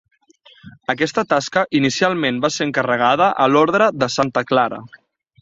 Aquesta tasca inicialment va ser encarregada a l'orde de Santa Clara.